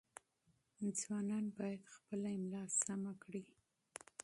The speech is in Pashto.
ځوانان باید خپله املاء سمه کړي.